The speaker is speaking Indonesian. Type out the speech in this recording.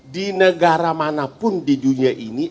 di negara manapun di dunia ini